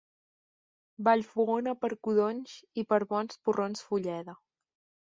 Vallfogona per codonys, i per bons porrons, Fulleda.